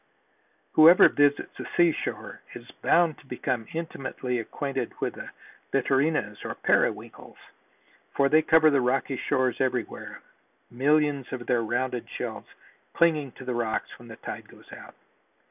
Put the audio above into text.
Whoever visits the seashore is bound to become intimately acquainted with the Littorinas, or periwinkles, for they cover the rocky shores everywhere, millions of their rounded shells clinging to the rocks when the tide goes out.